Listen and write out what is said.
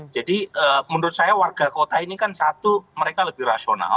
jadi menurut saya warga kota ini kan satu mereka lebih rasional